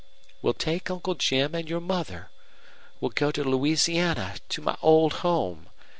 We'll take Uncle Jim and your mother. We'll go to Louisiana to my old home.